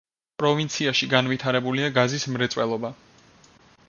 პროვინციაში განვითარებულია გაზის მრეწველობა.